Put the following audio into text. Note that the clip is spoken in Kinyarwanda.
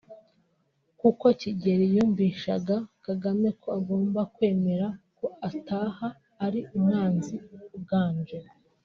kuko Kigeli yumvishaga Kagame ko agomba kwemera ko ataha ari umwami uganje